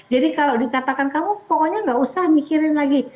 jadi kalau dikatakan kamu pokoknya tidak usah mikirin lagi